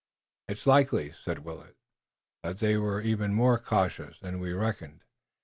"It's likely," said Willet, "that they were even more cautious than we reckoned.